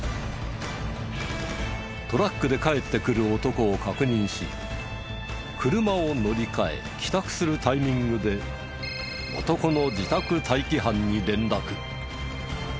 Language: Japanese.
トラックで帰ってくる男を確認し車を乗り換え帰宅するタイミングで男の自宅待機班に連絡。